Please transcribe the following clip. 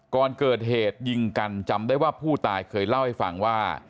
ก่อนเกิดเหตุยิงกันจำได้ว่าผู้ตายเคยเล่าให้ฟังว่า